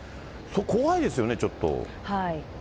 怖いですよね、ちょっと。